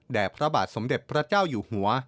พระบาทสมเด็จพระเจ้าอยู่หัว